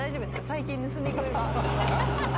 最近盗み食いは。はっ？